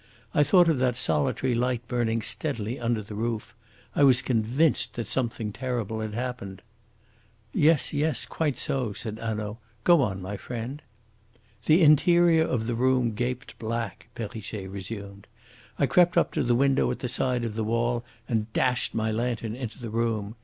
I thought of that solitary light burning steadily under the roof. I was convinced that something terrible had happened." "Yes, yes. Quite so," said Hanaud. "Go on, my friend." "The interior of the room gaped black," Perrichet resumed. "I crept up to the window at the side of the wall and flashed my lantern into the room.